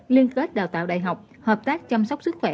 liên kết đào tạo đại học hợp tác chăm sóc sức khỏe